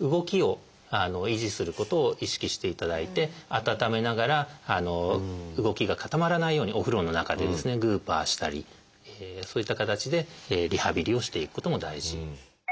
動きを維持することを意識していただいて温めながら動きが固まらないようにお風呂の中でですねグーパーしたりそういった形でリハビリをしていくことも大事。